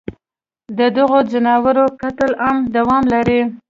ددغو ځناورو قتل عام دوام لري